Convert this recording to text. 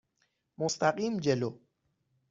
مستقیم جلو.